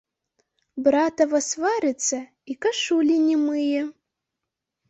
Братава сварыцца і кашулі не мые.